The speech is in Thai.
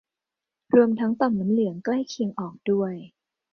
รวมทั้งต่อมน้ำเหลืองใกล้เคียงออกด้วย